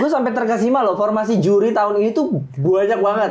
lu sampai tergasima loh formasi juri tahun ini tuh banyak banget